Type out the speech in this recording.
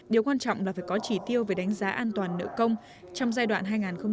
điều quan trọng là phải có chỉ tiêu về đánh giá an toàn nợ công trong giai đoạn hai nghìn một mươi sáu hai nghìn hai mươi